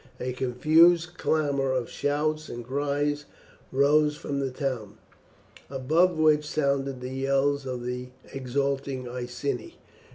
A confused clamour of shouts and cries rose from the town, above which sounded the yells of the exulting Iceni.